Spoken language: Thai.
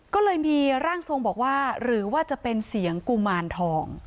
ก็เลยมีร่างทรงบอกว่าหรือว่าจะเป็นเสียงกุมารทอง